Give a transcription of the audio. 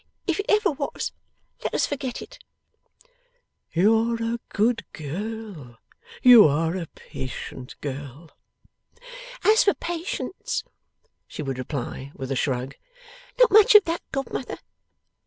If it ever was, let us forget it.' 'You are a good girl, you are a patient girl.' 'As for patience,' she would reply with a shrug, 'not much of that, godmother.